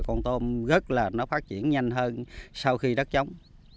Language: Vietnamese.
con tôm rất là nó phát triển nhanh hơn sau khi đất chống